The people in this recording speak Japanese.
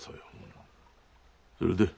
それで？